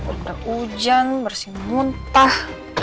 udah hujan bersih muntah